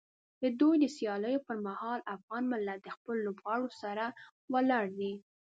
د دوی د سیالیو پر مهال افغان ملت د خپلو لوبغاړو سره ولاړ دی.